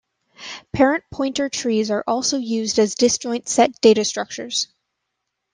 Parent pointer trees are also used as disjoint-set data structures.